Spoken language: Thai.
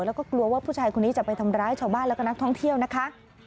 แล้วก็กลัวว่าผู้ชายคนนี้จะไปทำร้ายชาวบ้านแล้วก็นักท่องเที่ยวนะคะ